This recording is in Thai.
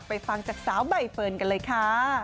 ฟังจากสาวใบเฟิร์นกันเลยค่ะ